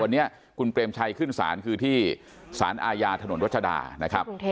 วันนี้คุณเปรมชัยขึ้นศาลคือที่สารอาญาถนนรัชดานะครับ